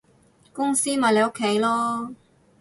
公司咪你屋企囉